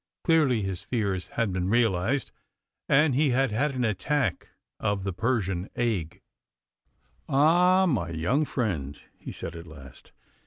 Clearly his fears had been realised, and he had had an attack of the Persian ague. 'Ah, my young friend!' he said at last.